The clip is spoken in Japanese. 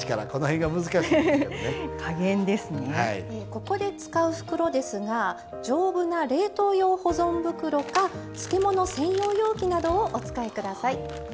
ここで使う袋ですが丈夫な冷凍用保存袋か漬物専用容器などをお使いください。